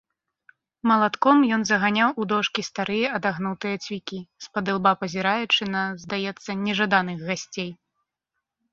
Малатком ён заганяў у дошкі старыя адагнутыя цвікі, спадылба пазіраючы на, здаецца, нежаданых гасцей.